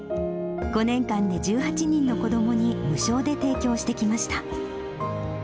５年間に１８人の子どもに、無償で提供してきました。